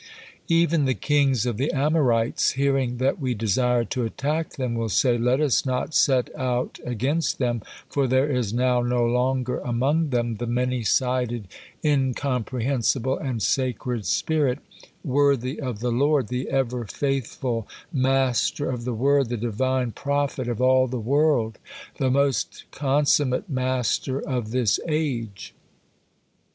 Even the kings of the Amorites, hearing that we desire to attack them, will say, 'Let us not set out against them, for there is now no longer among them the many sided, incomprehensible and sacred spirit, worthy of the Lord, the ever faithful master of the word, the Divine prophet of all the world, the most consummate master of this age.